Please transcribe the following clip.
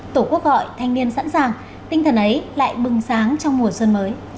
tổ quốc gọi thanh niên sẵn sàng tinh thần ấy lại bừng sáng trong mùa xuân mới